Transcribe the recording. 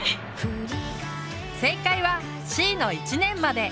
正解はＣの「１年まで」。